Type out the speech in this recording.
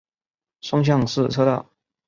双向四车道。